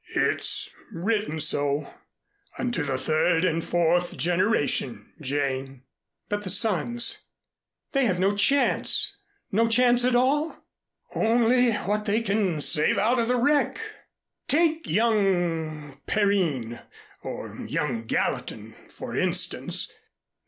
"It's written so unto the third and fourth generation, Jane." "But the sons they have no chance no chance at all?" "Only what they can save out of the wreck. Take young Perrine or young Gallatin, for instance.